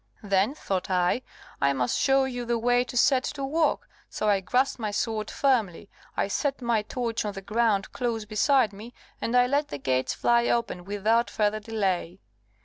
Then, thought I, I must show you the way to set to work; so I grasped my sword firmly, I set my torch on the ground close beside me, and I let the gates fly open without further delay.